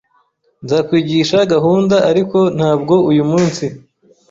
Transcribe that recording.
Nzakwigisha gahunda, ariko ntabwo uyu munsi